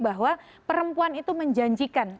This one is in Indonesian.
bahwa perempuan itu menjanjikan